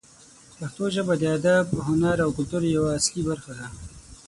پښتو ژبه د ادب، هنر او کلتور یوه اصلي برخه ده.